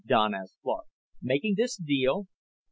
Don asked Clark. "Making this deal?"